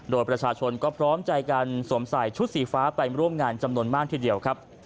โดยประชาชนก็พร้อมใจกันสวมใส่ชุดสีฟ้าไปร่วมงานจำนวนมากทีเดียวครับ